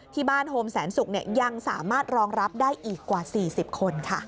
โฮมแสนสุกยังสามารถรองรับได้อีกกว่า๔๐คนค่ะ